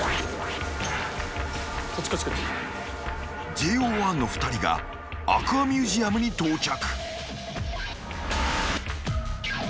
［ＪＯ１の２人がアクアミュージアムに到着］